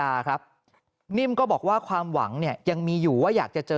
ครับนิ่มก็บอกว่าความหวังเนี่ยยังมีอยู่ว่าอยากจะเจอ